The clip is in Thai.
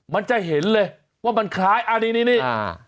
มันจะเห็นเลยว่ามันคล้ายอันนี้นี่อ่า